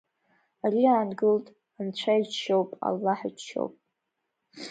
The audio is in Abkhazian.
Ари аангылт, анцәа иџьшьоуп, аллаҳ иџьшьоуп.